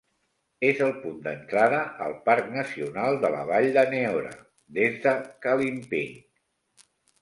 És el punt d'entrada al Parc Nacional de la Vall de Neora des de Kalimping.